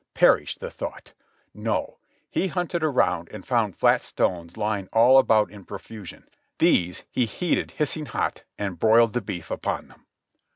Perish the thought ! No. He hunted around and found fiat stones lying all about in profusion; these he heated hissing hot and broiled the beef upon them.